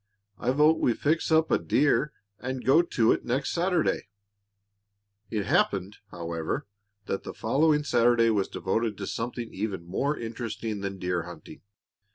I vote we fix up a deer and go to it next Saturday." It happened, however, that the following Saturday was devoted to something even more interesting than deer hunting.